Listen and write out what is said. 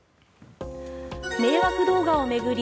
迷惑動画を巡り